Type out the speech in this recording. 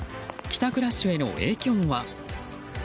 帰宅ラッシュへの影響は？